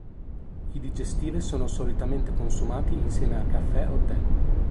I digestive sono solitamente consumati insieme a caffè o tè.